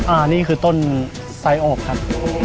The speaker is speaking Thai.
อันนี้คือต้นไซโอกครับ